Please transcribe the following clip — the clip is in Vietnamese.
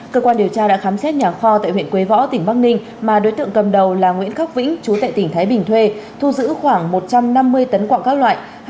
cơ quan điều tra đã khám xét nhà kho tại huyện quế võ tỉnh bắc ninh mà đối tượng cầm đầu là nguyễn khắc vĩnh chú tại tỉnh thái bình thuê thu giữ khoảng một trăm năm mươi tấn quạng các loại